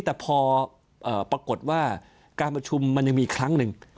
แต่พอปรากฏว่าการประชุมมันยังมีครั้งหนึ่ง